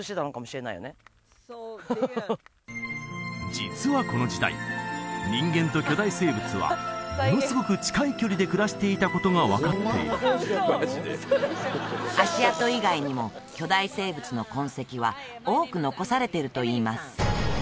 実はこの時代人間と巨大生物はものすごく近い距離で暮らしていたことが分かっている足跡以外にも巨大生物の痕跡は多く残されているといいます